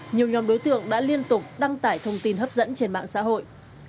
nhiều nhóm đối tượng đã liên tục đăng tải thông tin hấp dẫn trên mạng xã hội